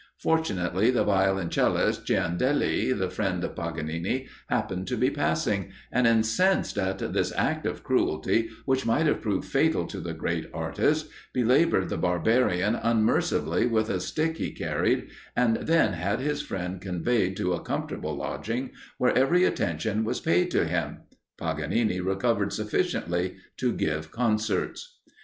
Fortunately, the violoncellist Ciandelli, the friend of Paganini, happened to be passing, and, incensed at this act of cruelty, which might have proved fatal to the great artist, belaboured the barbarian unmercifully with a stick he carried, and then had his friend conveyed to a comfortable lodging, where every attention was paid to him. Paganini recovered sufficiently to give concerts.